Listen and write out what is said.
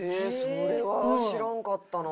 それは知らんかったな。